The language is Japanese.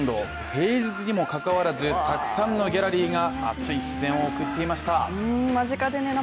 平日にもかかわらずたくさんのギャラリーが熱い視線を送っていました。